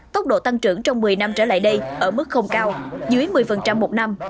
tốc độ tăng trưởng trong một mươi năm trở lại đây ở mức không cao dưới một mươi một năm